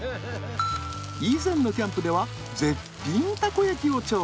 以前のキャンプでは絶品たこ焼きを調理。